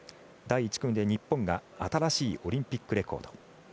第１組目、日本が新しいオリンピックレコード。